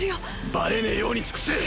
バレねぇように尽くせ！